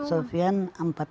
pak sofian empat